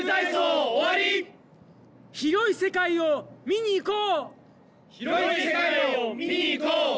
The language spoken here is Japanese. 広い世界を見にいこう！